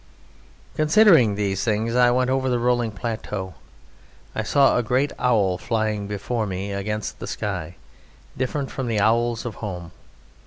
Considering these things, I went on over the rolling plateau. I saw a great owl flying before me against the sky, different from the owls of home.